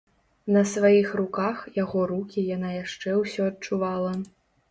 На сваіх руках яго рукі яна яшчэ ўсё адчувала.